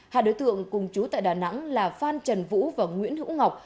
hai đối tượng cùng chú tại đà nẵng là phan trần vũ và nguyễn hữu ngọc